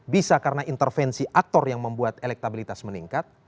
bisa karena intervensi aktor yang membuat elektabilitas meningkat